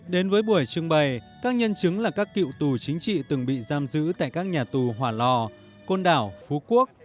đến với buổi trưng bày các nhân chứng là các cựu tù chính trị từng bị giam giữ tại các nhà tù hỏa lò côn đảo phú quốc